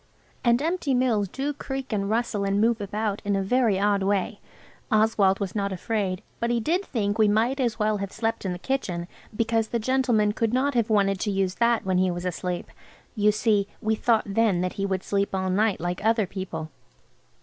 And empty mills do creak and rustle and move about in a very odd way. Oswald was not afraid, but he did think we might as well have slept in the kitchen, because the gentleman could not have wanted to use that when he was asleep. You see, we thought then that he would sleep all night like other people.